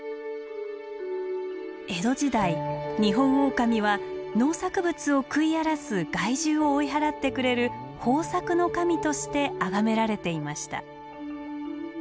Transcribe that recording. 江戸時代ニホンオオカミは農作物を食い荒らす害獣を追い払ってくれる豊作の神としてあがめられていました。